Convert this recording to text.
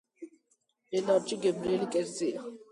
ელარჯი გემრიელი კერძია.